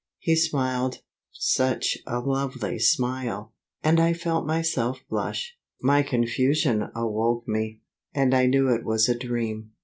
He smiled such a lovely smile! and I felt myself blush. My confusion awoke me; and I knew it was a dream.